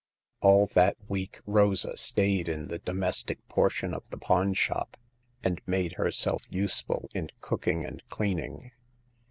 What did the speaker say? *' All that week Rosa stayed in the domestic portion of the pawn shop, and made herself use ful in cooking and cleaning.